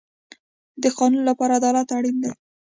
د قانون لپاره عدالت اړین دی